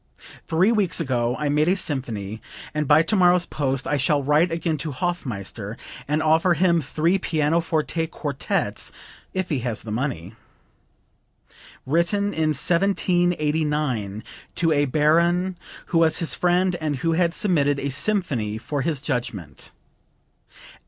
Three weeks ago I made a symphony, and by tomorrow's post I shall write again to Hofmeister and offer him three pianoforte quartets, if he has the money." (Written in 1789 to a baron who was his friend and who had submitted a symphony for his judgment.